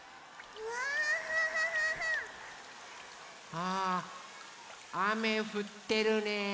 あああめふってるね。